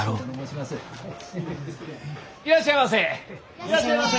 いらっしゃいませ！